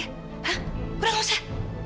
hah udah nggak usah